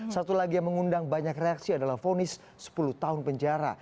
satu lagi yang mengundang banyak reaksi adalah fonis sepuluh tahun penjara